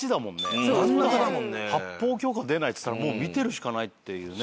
発砲許可出ないっつったらもう見てるしかないっていうね。